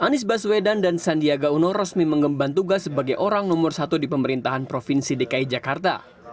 anies baswedan dan sandiaga uno resmi mengemban tugas sebagai orang nomor satu di pemerintahan provinsi dki jakarta